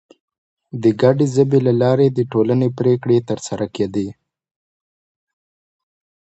د ګډې ژبې له لارې د ټولنې پرېکړې تر سره کېدلې.